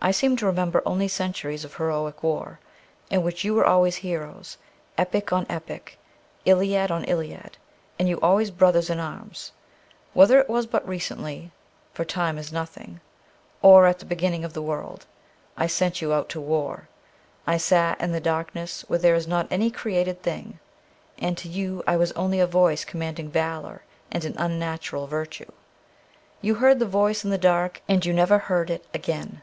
I seem to remember only centuries of heroic war, in which you were always heroes — epic on epic, iliad on iliad, and you always brothers in arms. Whether it was but recently (for Time is nothing) or at the beginning of the world, I sent you out to war. I sat in the darkness where there is not any created thing, and to you I was only a voice commanding valour and an unnatural virtue. You heard the voice in the dark and you never heard it again.